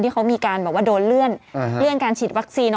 ที่เขามีการโดนเลื่อนการฉีดวัคซีน